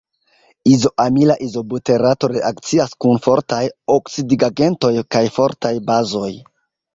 Izoamila izobuterato reakcias kun fortaj oksidigagentoj kaj fortaj bazoj.